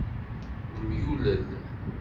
Nemyulel.